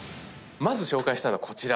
まず紹介したいのはこちら。